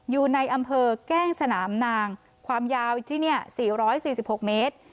อยู่ในอำเภอแก้งสนามนางความยาวที่เนี่ยสี่ร้อยสี่สิบหกเมตร